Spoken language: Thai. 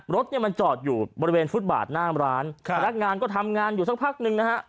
รถเนี่ยมันจอดอยู่บริเวณฟุตบาทหน้าร้านพนักงานก็ทำงานอยู่สักพักหนึ่งนะฮะ